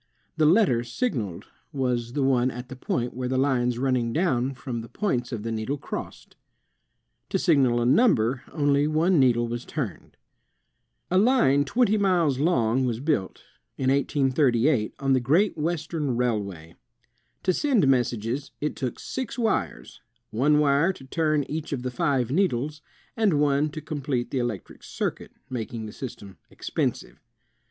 The letter signaled was the one at the point where lines running down from the points of the needle crossed. To signal a number only one needle was turned. A line twenty miles long was built, in 1838, on the Great Western Railway. To send messages, it took six wires, one wire to turn each of the five needles, and one to complete the electric circuit, making the system expensive.